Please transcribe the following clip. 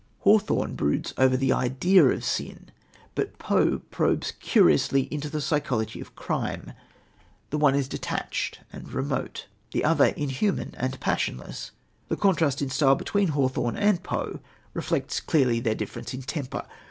Hawthorne broods over the idea of sin, but Poe probes curiously into the psychology of crime. The one is detached and remote, the other inhuman and passionless. The contrast in style between Hawthorne and Poe reflects clearly their difference in temper.